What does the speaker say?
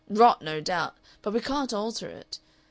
Rot, no doubt; but we can't alter it.